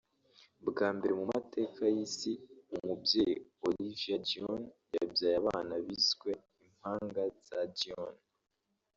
bwa mbere mu mateka y’isi umubyeyi (Oliva Dionne) yabyaye abana biswe impanga za Dionne